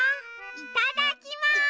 いただきます！